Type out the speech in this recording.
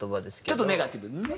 ちょっとネガティブなね。